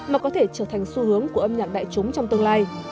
mà có thể trở thành xu hướng của âm nhạc đại chúng trong tương lai